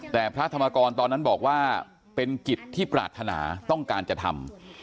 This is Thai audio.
แต่พระธรรมกรตอนนั้นบอกว่าเป็นกิจที่ปรารถนาต้องการจะทำ